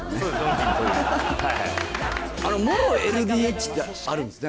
はいはいもろ「ＬＤＨ」ってあるんですね